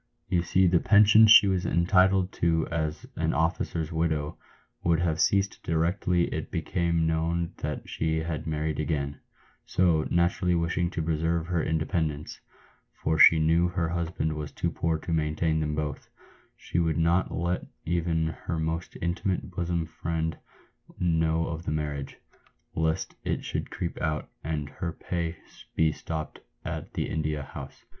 You see the pension she was entitled to as an officer's widow would have ceased directly it became known that she had married again ; so, naturally wishing to preserve her independ ence — for she knew her husband was too poor to maintain them both — she would not let even her most intimate bosom friend know of the marriage, lest it should creep out, and her pay be stopped at the India House."